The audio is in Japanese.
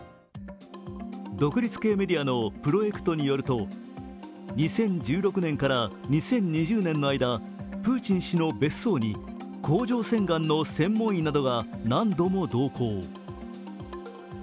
独立系メディアのプロエクトによると２０１６年から２０２０年の間プーチン氏の別荘に甲状腺がんの専門医などが何度も同行。